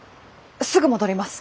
すぐ戻ります！